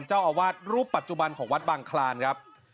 เจ้าอาวาสรูปปัจจุบันของวัดบางคลานครับ